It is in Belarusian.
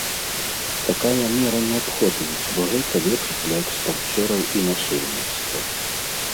Такая мера неабходна, бо гэта лепш для экспарцёраў і насельніцтва.